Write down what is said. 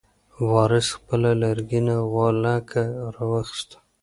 وارث خپله لرګینه غولکه راواخیسته.